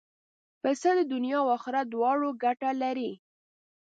پسه د دنیا او آخرت دواړو ګټه لري.